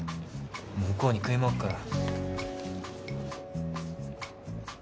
向こうに食いもんあっから。